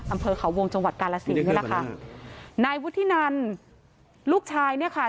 อำเภอเขาวงจังหวัดกาลสินนี่แหละค่ะนายวุฒินันลูกชายเนี่ยค่ะ